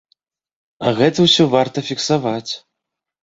А гэта ўсё варта фіксаваць.